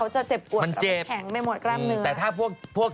เขาจะเจ็บกวดแบบแข็งไปหมดกล้ามเนื้อมันเจ็บ